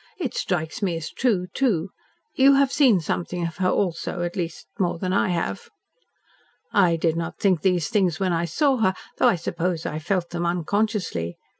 "It strikes me as true, too. You have seen something of her also, at least more than I have." "I did not think these things when I saw her though I suppose I felt them unconsciously.